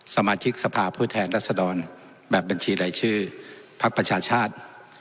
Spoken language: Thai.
สมาชิกสภาพผู้แทนรัศดรแบบบัญชีรายชื่อพักประชาชาติ